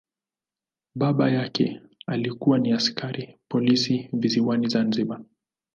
Baba yake alikuwa ni askari polisi visiwani Zanzibar.